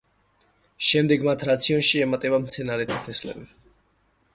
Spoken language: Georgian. შემდეგ მათ რაციონში ემატება მცენარეთა თესლები.